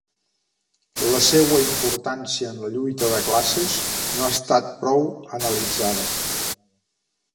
La seua importància en la lluita de classes no ha estat prou analitzada.